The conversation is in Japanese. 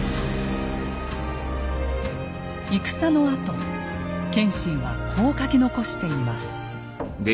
戦のあと謙信はこう書き残しています。